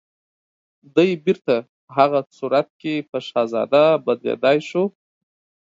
دی بيرته په هغه صورت کې په شهزاده بدليدای شو